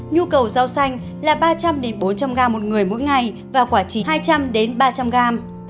nhu cầu rau xanh là ba trăm linh bốn trăm linh g một người mỗi ngày